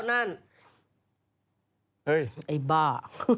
เฮ้ยไอ้บ้า